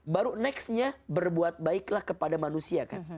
baru nextnya berbuat baiklah kepada manusia kan